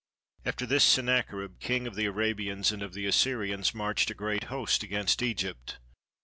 After this, Sanacharib king of the Arabians and of the Assyrians marched a great host against Egypt.